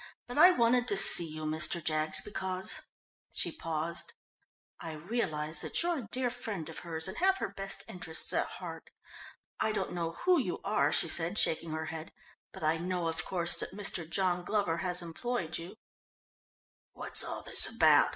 But I wanted to see you, Mr. Jaggs, because " she paused. "I realise that you're a dear friend of hers and have her best interests at heart. I don't know who you are," she said, shaking her head, "but I know, of course, that Mr. John Glover has employed you." "What's all this about?"